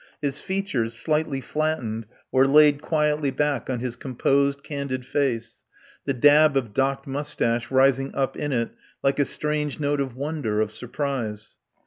His features, slightly flattened, were laid quietly back on his composed, candid face; the dab of docked moustache rising up in it like a strange note of wonder, of surprise.